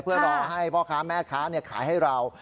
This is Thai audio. เพื่อรอให้พ่อค้าแม่ค้าขายให้เรา